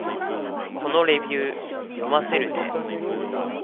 このレビュー、読ませるね